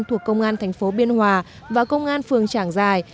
thuộc công an tp biên hòa và công an phường trảng giải